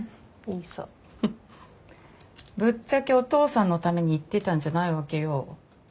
ぶっちゃけお父さんのために行ってたんじゃないわけよ。